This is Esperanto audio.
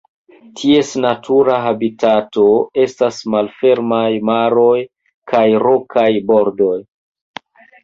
Ties natura habitato estas malfermaj maroj kaj rokaj bordoj.